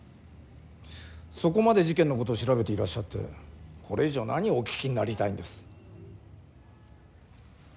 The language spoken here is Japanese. そこまで事件のことを調べていらっしゃってこれ以上何をお聞きになりたいんです？